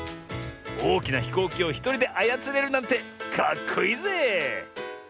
おおきなひこうきをひとりであやつれるなんてかっこいいぜ！